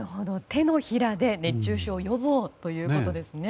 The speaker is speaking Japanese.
手のひらで熱中症予防ということですね。